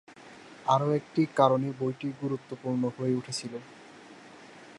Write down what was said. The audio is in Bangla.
আরও একটি কারণে বইটি গুরুত্বপূর্ণ হয়ে উঠেছিল।